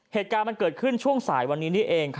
เหตุการณ์มันเกิดขึ้นช่วงสายวันนี้นี่เอง